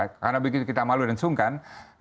karena begitu kita malu dan sungkan